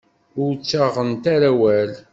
Ur ttaɣent ara awal.